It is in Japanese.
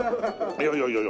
いやいやいやいや。